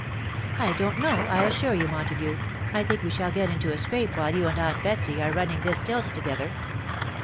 " I doA't know — ^I assure you, Montague, I think we shall get into a scrape while you and aunt Betsy are running this tilt together."